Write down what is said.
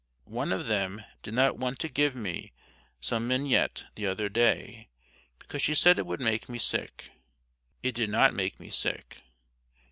One of them did not want to give me some mignonette the other day because she said it would make me sick. It did not make me sick.